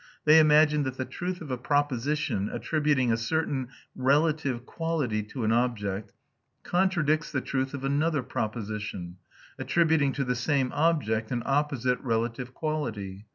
They imagine that the truth of a proposition attributing a certain relative quality to an object contradicts the truth of another proposition, attributing to the same object an opposite relative quality.